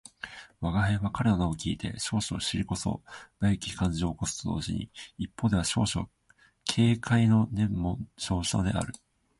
吾輩は彼の名を聞いて少々尻こそばゆき感じを起こすと同時に、一方では少々軽侮の念も生じたのである